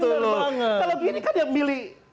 kalau gini kan dia milih